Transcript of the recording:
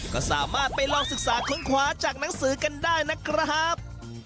ก็สามารถไปลองศึกษาค้นคว้าจากหนังสือกันได้นะครับ